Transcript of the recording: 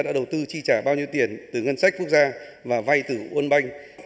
bộ giáo dục và đào tạo đã đầu tư chi trả bao nhiêu tiền từ ngân sách quốc gia và vay từ quân banh